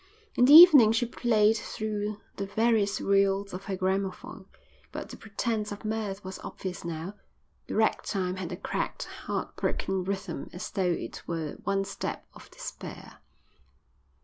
In the evening she played through the various reels of her gramophone, but the pretence of mirth was obvious now. The ragtime had a cracked, heart broken rhythm as though it were a one step of despair.